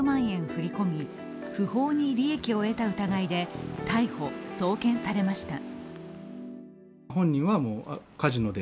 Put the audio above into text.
振り込み、不法に利益を得た疑いで逮捕・送検されました。